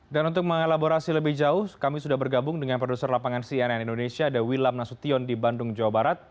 dan untuk mengelaborasi lebih jauh kami sudah bergabung dengan produser lapangan cnn indonesia ada wilam nasution di bandung jawa barat